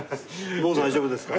もう大丈夫ですか？